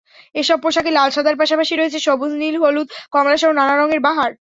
এসব পোশাকে লাল-সাদার পাশাপাশি রয়েছে সবুজ, হলুদ, নীল, কমলাসহ নানা রঙের বাহার।